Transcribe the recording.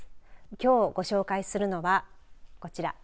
きょうご紹介するのはこちら。